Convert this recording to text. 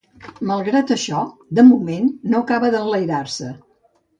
Malgrat això, de moment, no acaba d'enlairar-se.